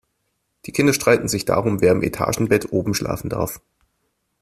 Die Kinder streiten sich darum, wer im Etagenbett oben schlafen darf.